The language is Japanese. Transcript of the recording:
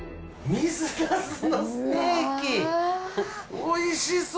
おいしそう！